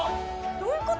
どういうこと？